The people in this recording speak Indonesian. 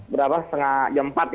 berapa setengah jam empat ya